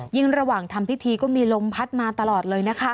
ระหว่างทำพิธีก็มีลมพัดมาตลอดเลยนะคะ